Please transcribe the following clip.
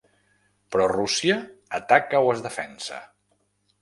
Però Rússia ataca o es defensa?